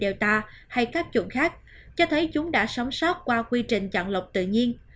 dera delta hay các chủng khác cho thấy chúng đã sống sót qua quy trình chặn lọc tự nhiên